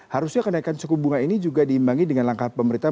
harusnya kenaikan suku bunga ini juga diimbangi dengan langkah pemerintah